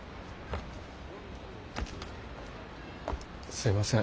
すいません。